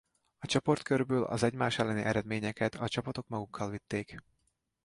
A csoportkörből az egymás elleni eredményeket a csapatok magukkal vitték.